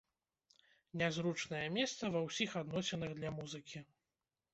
Нязручнае месца ва ўсіх адносінах для музыкі!